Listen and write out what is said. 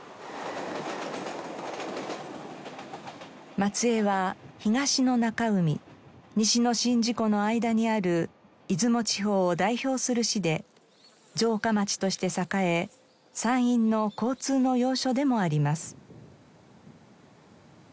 松江は東の中海西の宍道湖の間にある出雲地方を代表する市で城下町として栄え山陰の交通の要所でもあります。